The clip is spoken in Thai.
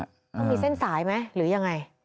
มันมีเส้นสายไหมหรือยังไง